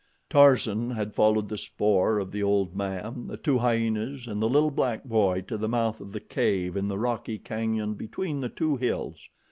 Tarzan had followed the spoor of the old man, the two hyenas, and the little black boy to the mouth of the cave in the rocky canyon between the two hills.